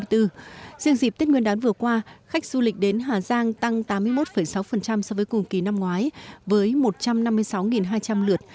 riêng dịp tết nguyên đán vừa qua khách du lịch đến hà giang tăng tám mươi một sáu so với cùng kỳ năm ngoái với một trăm năm mươi sáu hai trăm linh lượt